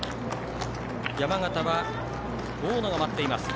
山形は、大野が待っています。